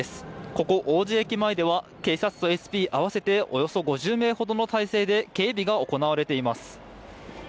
ここ王子駅前では、警察とＳＰ合わせておよそ５０名ほどの態勢で警備が行われています。